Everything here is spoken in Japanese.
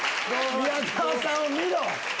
宮沢さんを見ろ！